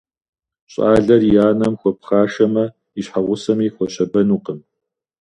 Щӏалэр и анэм хуэпхъашэмэ, и щхьэгъусэми хуэщабэнукъым.